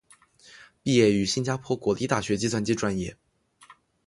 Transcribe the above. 毕业于新加坡国立大学计算机专业。